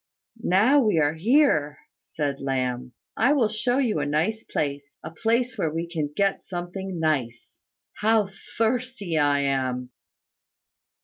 "Now we are here," said Lamb, "I will show you a nice place, a place where we can get something nice. How thirsty I am!"